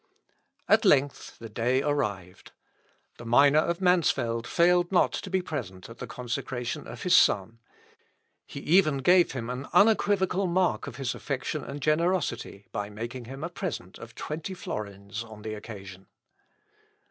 At length the day arrived. The miner of Mansfield failed not to be present at the consecration of his son.... He even gave him an unequivocal mark of his affection and generosity, by making him a present of twenty florins on the occasion.